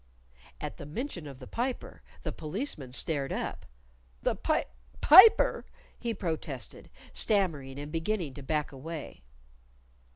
At the mention of the Piper, the Policeman stared up. "The Pip Piper!" he protested, stammering, and beginning to back away.